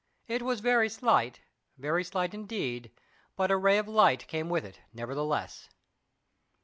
It was very slight very slight indeed; but a ray of light came with it, nevertheless.